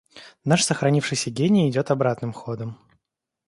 Наш сохранившийся гений идет обратным ходом.